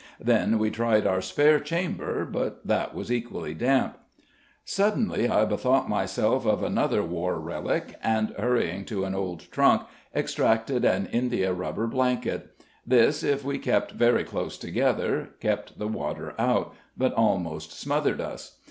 Then we tried our spare chamber, but that was equally damp. Suddenly I bethought myself of another war relic; and, hurrying to an old trunk, extracted an india rubber blanket. This, if we kept very close together, kept the water out, but almost smothered us.